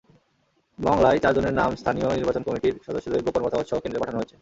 মংলায় চারজনের নাম স্থানীয় নির্বাচক কমিটির সদস্যদের গোপন মতামতসহ কেন্দ্রে পাঠানো হয়েছে।